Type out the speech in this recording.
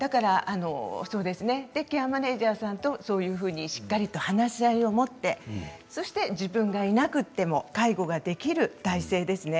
ケアマネージャーさんとそういうふうにしっかり話を持って自分がいなくても介護ができる体制ですね。